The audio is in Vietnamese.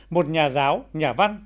một nhà giáo nhà văn